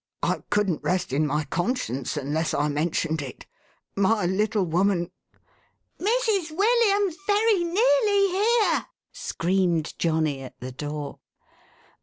I couldn't rest in my conscience unless I mentioned it. My little woman —"" Mrs. William's very nearly here !" screamed Johnny at the door.